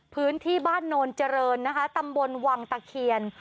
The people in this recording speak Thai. พื้นที่บ้านโนนเจริญนะคะตำบลวังตะเคียน